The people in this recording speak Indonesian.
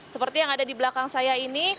seperti yang ada di belakang saya ini